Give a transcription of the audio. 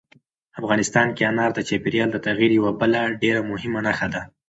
افغانستان کې انار د چاپېریال د تغیر یوه بله ډېره مهمه نښه ده.